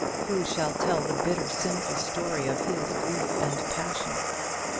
Who shall tell the bitter sinful story of his grief and passion?